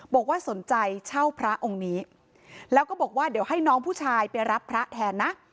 บอกว่าสนใจเช่าพระองค์นี้แล้วก็บอกว่าเดี๋ยวให้น้องผู้ชายไปรับพระแทนนะ